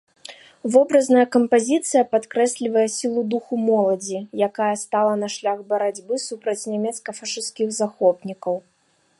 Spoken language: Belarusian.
Вобразная кампазіцыя падкрэслівае сілу духу моладзі, якая стала на шлях барацьбы супраць нямецка-фашысцкіх захопнікаў.